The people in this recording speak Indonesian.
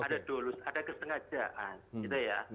ada dolus ada kesengajaan